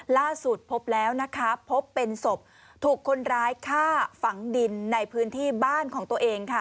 ล่าสุดพบแล้วนะคะพบเป็นศพถูกคนร้ายฆ่าฝังดินในพื้นที่บ้านของตัวเองค่ะ